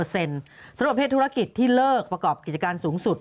สำหรับเพศธุรกิจที่เลิกประกอบกิจการสูงสุด